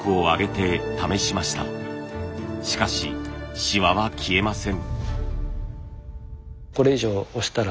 しかしシワは消えません。